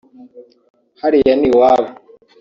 hariya ni iwabo